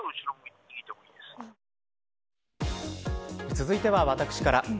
続いては私から。